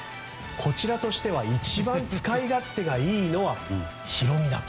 こちらとしては一番使い勝手がいいのは大海だと。